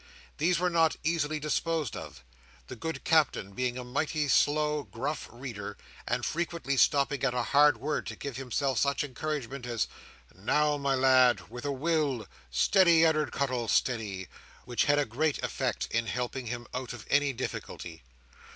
These were not easily disposed of; the good Captain being a mighty slow, gruff reader, and frequently stopping at a hard word to give himself such encouragement as "Now, my lad! With a will!" or, "Steady, Ed'ard Cuttle, steady!" which had a great effect in helping him out of any difficulty.